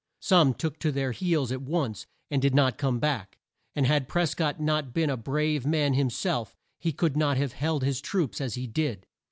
Some took to their heels at once, and did not come back, and had Pres cott not been a brave man him self he could not have held his troops as he did.